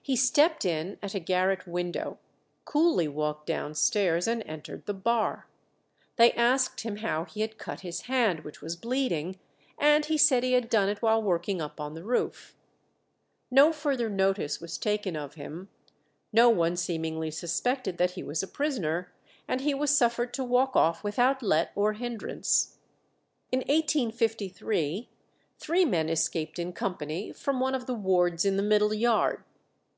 He stepped in at a garret window, coolly walked downstairs, and entered the bar. They asked him how he had cut his hand, which was bleeding, and he said he had done it while working up on the roof. No further notice was taken of him; no one seemingly suspected that he was a prisoner, and he was suffered to walk off without let or hindrance. In 1853 three men escaped in company from one of the wards in the middle yard.